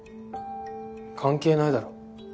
関係ないだろ。